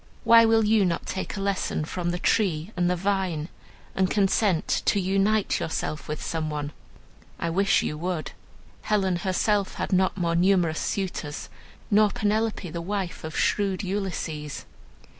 Why will you not take a lesson from the tree and the vine, and consent to unite yourself with some one? I wish you would. Helen herself had not more numerous suitors, nor Penelope, the wife of shrewd Ulysses.